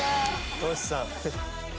トシさん。